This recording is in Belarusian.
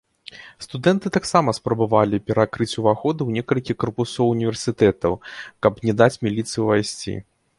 Студэнты таксама спрабавалі перакрыць уваходы ў некалькі карпусоў універсітэтаў, каб не даць міліцыі ўвайсці.